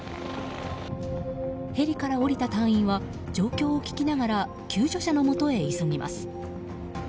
ヘリから下りた隊員は状況を聞きながら救助者のもとへ急ぎます。